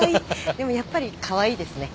でもやっぱりカワイイですね。